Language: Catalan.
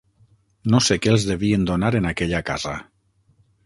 No sé què els devien donar en aquella casa